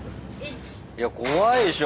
いや怖いでしょ